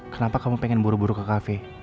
kenapa kamu pengen buru buru ke cafe